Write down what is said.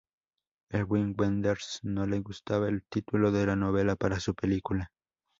A Wim Wenders no le gustaba el título de la novela para su película.